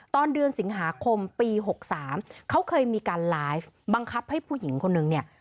ตอนเดือนสิงหาคมปี๖๓เขาเคยมีการไลฟ์บังคับให้ผู้หญิงคนนึงเนี่ย